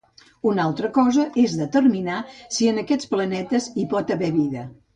Una altra cosa és determinar si en aquests planetes hi pot haver vida.